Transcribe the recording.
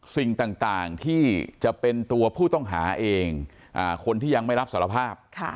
สิ่งต่างที่จะเป็นตัวผู้ต้องหาเองคนที่ยังไม่รับสารภาพ